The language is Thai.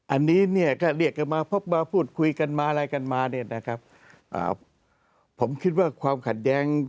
อันนี้ก็เรียกกันมาพบมาพูดคุยกันมาอะไรกันมาผมคิดว่าความขัดแย้ง